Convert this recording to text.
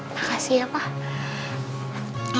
makasih ya entonces